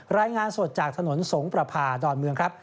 รายงานสดจากถนนสงประพาดอนเมืองครับ